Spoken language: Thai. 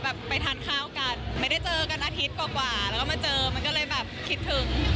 ไปทานข้าวกันไม่ได้เจอกันอาทิตย์กว่าแล้วก็มาเจอมันก็เลยแบบคิดถึง